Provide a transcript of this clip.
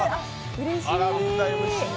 うれしい。